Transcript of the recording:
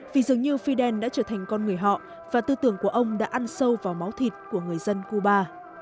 vì dường như fidel đã trở thành con người họ và tư tưởng của ông đã ăn sâu vào máu thịt của người dân cuba